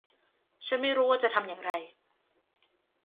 ฉันไม่รู้ว่าจะทำอย่างไร